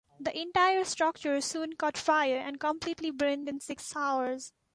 The entire structure soon caught fire and completely burned in six hours.